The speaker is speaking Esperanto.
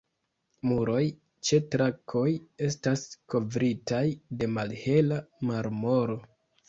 Muroj ĉe trakoj estas kovritaj de malhela marmoro.